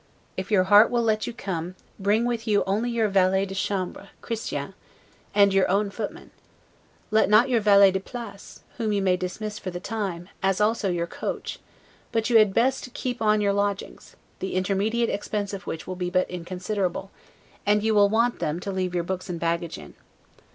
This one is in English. If your heart will let you come, bring with you only your valet de chambre, Christian, and your own footman; not your valet de place, whom you may dismiss for the time, as also your coach; but you had best keep on your lodgings, the intermediate expense of which will be but inconsiderable, and you will want them to leave your books and baggage in.